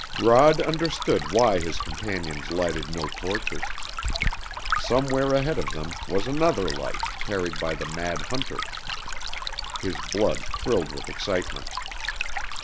Rod understood why his companions lighted no torches. Somewhere ahead of them was another light, carried by the mad hunter. His blood thrilled with excitement.